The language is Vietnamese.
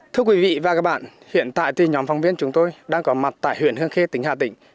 thưa quý vị và các bạn hiện tại thì nhóm phóng viên chúng tôi đang có mặt tại huyện hương khê tỉnh hà tĩnh